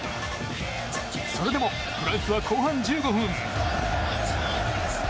それでもフランスは後半１５分。